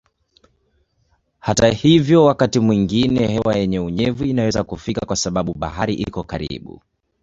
Hata hivyo wakati mwingine hewa yenye unyevu inaweza kufika kwa sababu bahari iko karibu.